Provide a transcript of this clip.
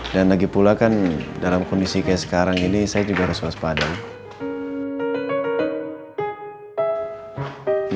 dan lagi pula kan dalam kondisi kayak sekarang ini saya juga harus waspadang